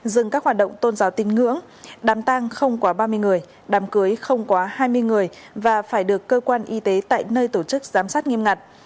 dừng các hoạt động tôn giáo tin ngưỡng đám tang không quá ba mươi người đám cưới không quá hai mươi người và phải được cơ quan y tế tại nơi tổ chức giám sát nghiêm ngặt